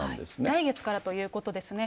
来月からということですね。